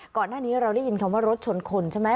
ก่อนหน้านี้เราได้ยินคำว่ารถชนคนใช่ไหม